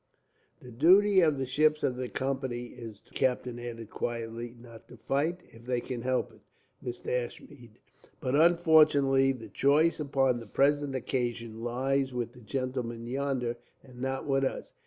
The duty of the ships of the Company is to try not to fight." "If they can help it," the captain added quietly. "Not to fight, if they can help it, Mr. Ashmead. But unfortunately, the choice upon the present occasion lies with the gentlemen yonder, and not with us.